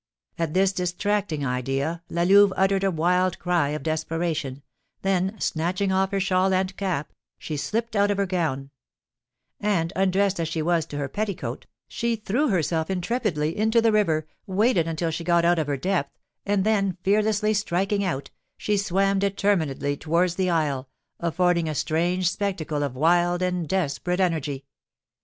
At this distracting idea La Louve uttered a wild cry of desperation, then, snatching off her shawl and cap, she slipped out of her gown; and, undressed as she was to her petticoat, she threw herself intrepidly into the river, waded until she got out of her depth, and then, fearlessly striking out, she swam determinedly towards the isle, affording a strange spectacle of wild and desperate energy.